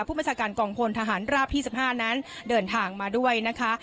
ผู้บัญชาการกองพลทหารราบที่๑๕นั้นเดินทางมาด้วยนะคะ